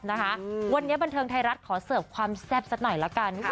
นะคะวันนี้บันเทิงไทยรัฐขอเสิร์ฟความแซ่บสักหน่อยละกัน